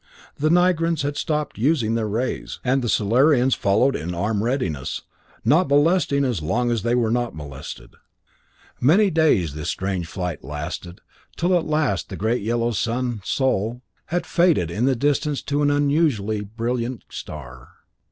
The Nigrans had stopped using their rays; and the Solarians followed in armed readiness, not molesting as long as they were not molested. Many days this strange flight lasted, till at last the great yellow sun, Sol, had faded in the distance to an unusually brilliant star.